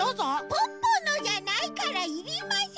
ポッポのじゃないからいりません！